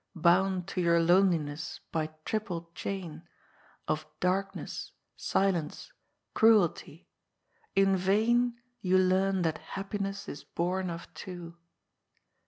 Bound to your loneliness by triple chain Of Darkness, Silence, Cruelty, in vain Tou learn that happiness is bom of two."